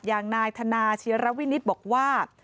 อย่างนายธนาชิระวินิตบอกว่า